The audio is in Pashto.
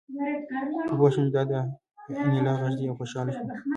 پوه شوم چې دا د انیلا غږ دی او خوشحاله شوم